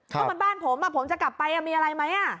เพราะว่าบ้านผมผมจะกลับไปมีอะไรไหม